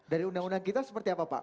dari undang undang kita seperti apa pak